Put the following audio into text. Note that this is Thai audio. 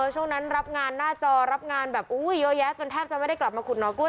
ช่วงนั้นรับงานหน้าจอรับงานแบบเยอะแยะจนแทบจะไม่ได้กลับมาขุดหอกล้วย